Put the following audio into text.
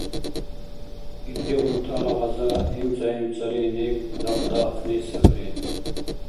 Илдигъунтала гъаза — имцӀа-имцӀали нег дахъдаъни сабри.